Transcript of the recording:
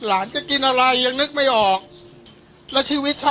อาหารสุรการ์ศิลป์คุณหญิงบริษัทรับหัว